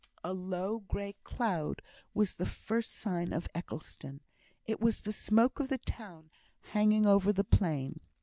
A low grey cloud was the first sign of Eccleston; it was the smoke of the town hanging over the plain.